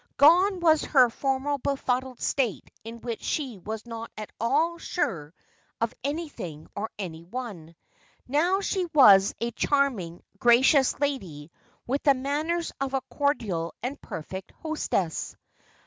Gone was her former befuddled state in which she was not at all sure of anything or anyone. Now she was a charming, gracious lady with the manners of a cordial and perfect hostess.